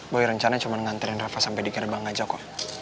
boy rencana cuma nganterin rafa sampai di gerbang aja kok